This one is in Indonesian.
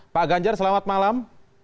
pak ganjar selamat malam